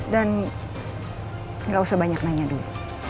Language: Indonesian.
dan gak usah banyak nanya dulu